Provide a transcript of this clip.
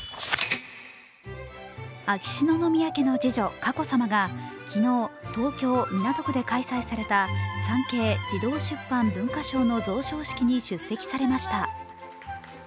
秋篠宮家の次女・佳子さまが昨日東京・港区で開催された産経児童出版文化賞の表彰式に出席されました。